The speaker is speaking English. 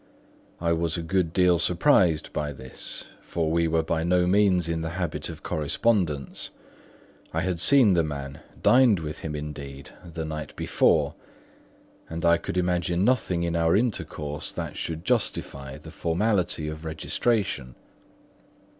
I was a good deal surprised by this; for we were by no means in the habit of correspondence; I had seen the man, dined with him, indeed, the night before; and I could imagine nothing in our intercourse that should justify formality of registration.